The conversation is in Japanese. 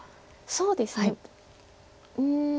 そうですねうん。